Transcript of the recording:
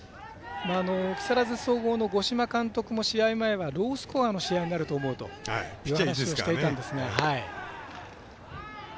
木更津総合の五島監督も試合前はロースコアの試合になるという話をしていたんですけど。